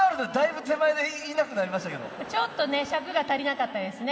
ちょっとね尺が足りなかったですね。